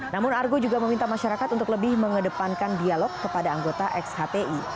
namun argo juga meminta masyarakat untuk lebih mengedepankan dialog kepada anggota x hti